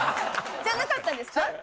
じゃなかったんですか？